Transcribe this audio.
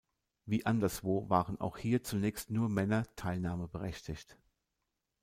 Wie anderswo waren auch hier zunächst nur Männer teilnahmeberechtigt.